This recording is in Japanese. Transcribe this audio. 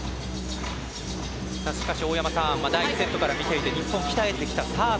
しかし、大山さん第２セットから見ていて日本、鍛えてきたサーブ。